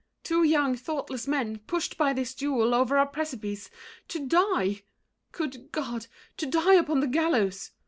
Two young, thoughtless men, Pushed by this duel o'er a precipice To die! Good God! to die upon the gallows!